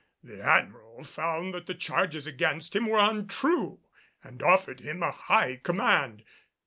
The Admiral found that the charges against him were untrue, and offered him a high command.